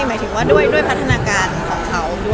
หมายถึงว่าด้วยพัฒนาการของเขาด้วย